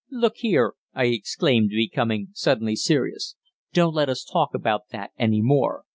"Look here," I exclaimed, becoming suddenly serious, "don't let us talk about that any more.